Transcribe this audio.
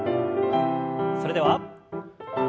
それでは１。